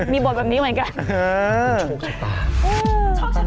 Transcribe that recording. มีบทแบบนี้เหมือนกัน